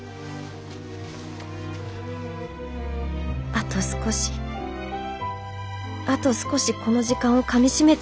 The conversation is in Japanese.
あと少しあと少しこの時間をかみしめていたい。